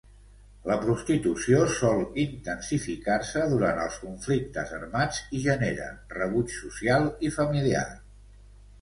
La prostitució sol intensificar-se durant els conflictes armats i genera rebuig social i familiar.